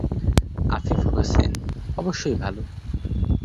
আফিফ হোসেন: অবশ্যই ভালো।